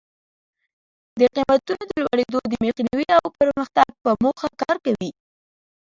د قیمتونو د لوړېدا د مخنیوي او پرمختګ په موخه کار کوي.